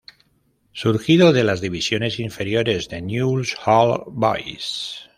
Surgido de las divisiones inferiores de Newells Old Boys.